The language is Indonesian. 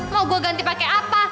mau gue ganti pakai apa